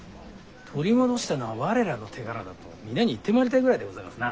取り戻したのは我らの手柄だと皆に言って回りたいぐらいでございますな。